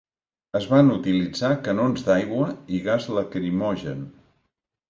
Es van utilitzar canons d'aigua i gas lacrimogen.